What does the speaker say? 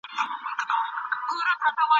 زلزلې ځمکه ښورولي وه.